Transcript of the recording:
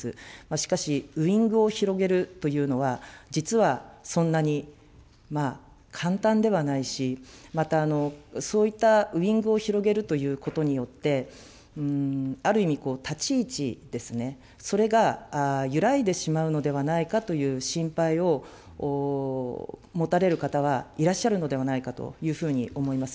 しかし、ウイングを広げるというのは、実はそんなに簡単ではないし、またそういったウイングを広げるということによって、ある意味、立ち位置ですね、それが揺らいでしまうのではないかという心配を持たれる方は、いらっしゃるのではないかというふうに思います。